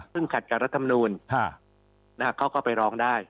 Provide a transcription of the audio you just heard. ซึ่งขัดกับรัฐมนูลเขาก็ไปร้องได้